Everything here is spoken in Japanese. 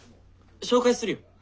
紹介するよ。